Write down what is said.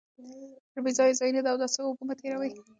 پر بې ځایه ځایونو د اوداسه اوبه مه تېروئ چې چاپیریال خرابوي.